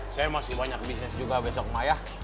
saya masih banyak bisnis juga besok sama ayah